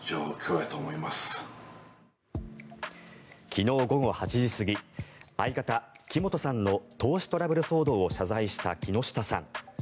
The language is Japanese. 昨日午後８時過ぎ相方・木本さんの投資トラブル騒動を謝罪した木下さん。